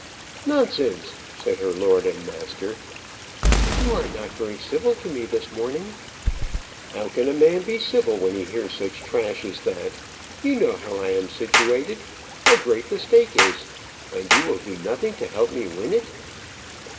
"Nonsense!" said her lord and master. "You are not very civil to me this morning." "How can a man be civil when he hears such trash as that? You know how I am situated how great the stake is; and you will do nothing to help me win it."